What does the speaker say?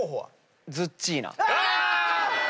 あ！